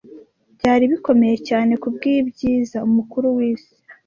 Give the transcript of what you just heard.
Byari bikomeye cyane kubwibyiza; Umukuru w'isi